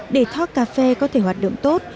để talkcafe có thể hoạt động tốt